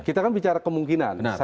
kita kan bicara kemungkinan